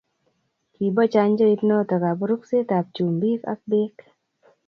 kibo chanjoit noto kaburuksetab chumbik ak beek